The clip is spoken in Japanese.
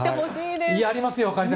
やりますよ、解説。